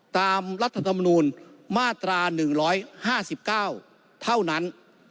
รัฐธรรมนูลมาตรา๑๕๙เท่านั้น